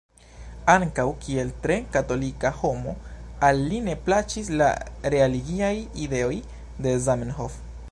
Ankaŭ kiel tre katolika homo, al li ne plaĉis la religiaj ideoj de Zamenhof.